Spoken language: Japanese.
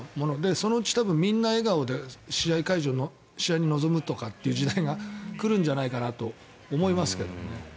そのうち、みんな笑顔で試合に臨むとかっていう時代が来るんじゃないかなと思いますけどもね。